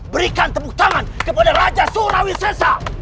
berikan tepuk tangan kepada raja sonawisesa